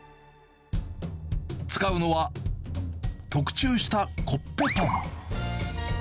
使うのは、特注したコッペパン。